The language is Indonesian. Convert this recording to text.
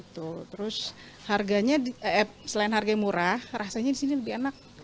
terus harganya selain harga yang murah rasanya di sini lebih enak